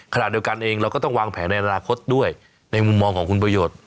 ขณะเดียวกันเองเราก็ต้องวางแผนในอนาคตด้วยในมุมมองของคุณประโยชน์